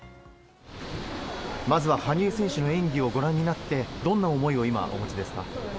まずは羽生選手の演技をご覧になって、どんな思いを今、お持ちですか。